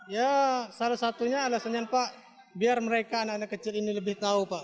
ya salah satunya alasannya pak biar mereka anak anak kecil ini lebih tahu pak